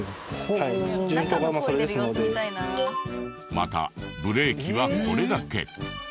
またブレーキはこれだけ。